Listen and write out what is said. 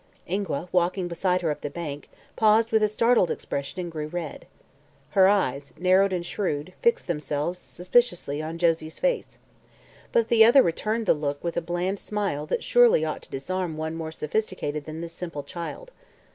Ingua, walking beside her up the bank, paused with a startled expression and grew red. Her eyes, narrowed and shrewd, fixed themselves suspiciously on Josie's face. But the other returned the look with a bland smile that surely ought to disarm one more sophisticated than this simple child.